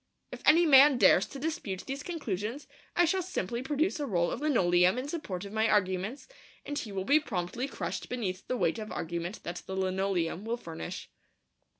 If any man dares to dispute these conclusions, I shall simply produce a roll of linoleum in support of my arguments, and he will be promptly crushed beneath the weight of argument that the linoleum will furnish.